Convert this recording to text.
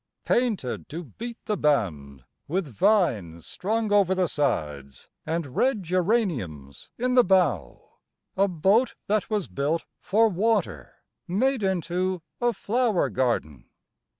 Painted to beat the band, with vines strung over the sides And red geraniums in the bow, a boat that was built for water Made into a flower garden.